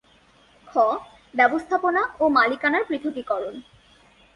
খ. ব্যবস্থাপনা ও মালিকানার পৃথকীকরণ